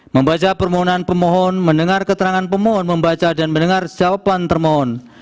membaca permohonan pemohon mendengar keterangan pemohon membaca dan mendengar jawaban termohon